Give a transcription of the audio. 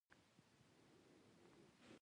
د کړکۍ له پاسه دوړه ښکاره کېده.